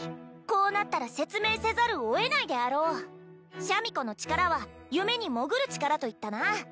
こうなったら説明せざるを得ないであろうシャミ子の力は夢に潜る力といったな